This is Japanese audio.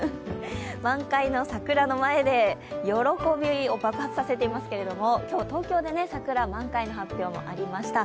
満開の桜の前で喜びを爆発させていますけども、東京で桜、満開の発表もありました